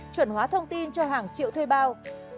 chuẩn hóa thông tin cho hàng triệu thuê bao